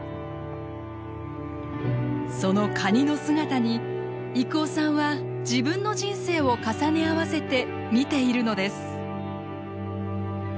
そのカニの姿に征夫さんは自分の人生を重ね合わせて見ているのです。